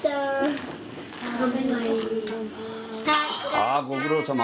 ああご苦労さま。